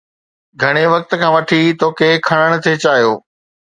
گهڻي وقت کان وٺي توکي کڻڻ ٿي چاهيو.